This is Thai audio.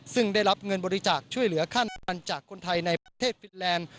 ซึ่งได้รับเงินบริจาคช่วยเหลือขั้นการจากคนไทยในประเทศฟิตแลนด์